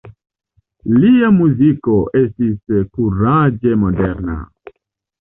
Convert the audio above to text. Lia muziko estis kuraĝe moderna.